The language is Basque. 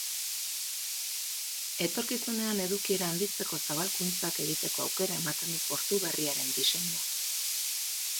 Etorkizunean edukiera handitzeko zabalkuntzak egiteko aukera ematen du portu berriaren diseinuak.